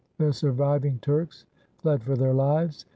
The surviving Turks fled for their lives.